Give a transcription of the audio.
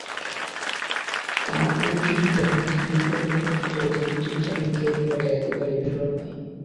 তার পরও শিশুদের মধ্যে দুর্ঘটনাবশত অতিরিক্ত ভিটামিন খেয়ে ফেলাটা একেবারে বিরল নয়।